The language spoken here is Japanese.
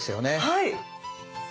はい。